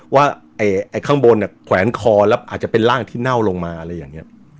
ว่าไอ้ข้างบนเนี่ยแขวนคอแล้วอาจจะเป็นร่างที่เน่าลงมาอะไรอย่างนี้